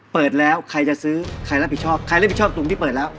เปิดแล้วใครจะซื้อใครรับผิดชอบใครรับผิดชอบตรงที่เปิดแล้ว